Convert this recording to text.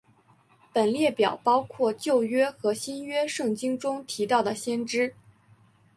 本列表包括旧约和新约圣经中提到的先知。